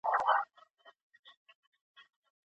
دروغجنه خندا د درغو نښه ده.